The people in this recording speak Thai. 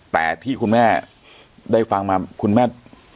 แต่ที่คุณแม่ได้ฟังมาคุณแม่